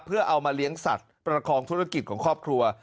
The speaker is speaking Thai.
เพื่อเอามาเลี้ยงสัตว์ประคองธุรกิจของครอบครัว